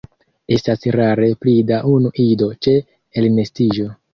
Estas rare pli da unu ido ĉe elnestiĝo.